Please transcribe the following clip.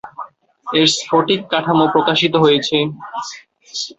এর স্ফটিক কাঠামো প্রকাশিত হয়েছে।